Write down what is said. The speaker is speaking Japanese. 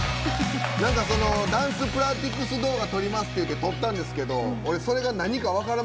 ダンスプラクティス動画撮りますっていって撮ったんですけど俺、それが何か分からん